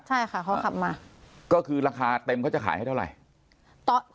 ใช่ค่ะเขาขับมาก็คือราคาเต็มเขาจะขายให้เท่าไหร่